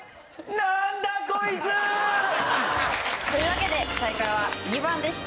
なんだこいつ！というわけで正解は２番でした。